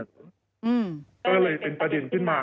ก็เลยเป็นประเด็นขึ้นมา